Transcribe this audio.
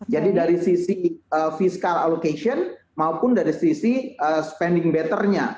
jadi dari sisi fiscal allocation maupun dari sisi spending better nya